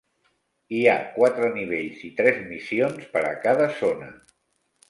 Hi ha quatre nivells i tres missions per a cada zona.